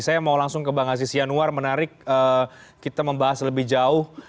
saya mau langsung ke bang aziz yanuar menarik kita membahas lebih jauh